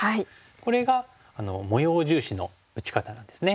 これが模様重視の打ち方なんですね。